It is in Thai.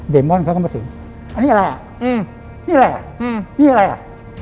มอนเขาก็มาถึงอันนี้อะไรอ่ะอืมนี่แหละอืมนี่อะไรอ่ะ